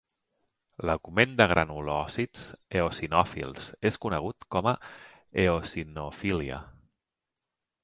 L'augment de granulòcits eosinòfils es conegut com a eosinofília.